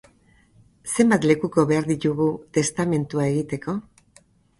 Zenbat lekuko behar ditugu testamentua egiteko?